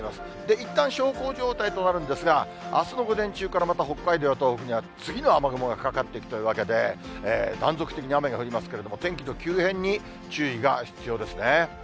いったん小康状態となるんですが、あすの午前中からまた北海道や東北には、次の雨雲がかかっていくというわけで、断続的に雨が降りますけれども、天気の急変に注意が必要ですね。